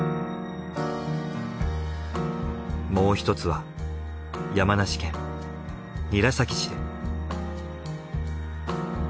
もう一つは山梨県韮崎市で。